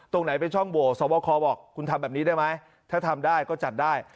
ตรงไหนเป็นช่องโหวตสวบคบอกคุณทำแบบนี้ได้ไหมถ้าทำได้ก็จัดได้